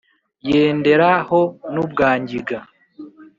Yendera ho n’ubwa Ngiga,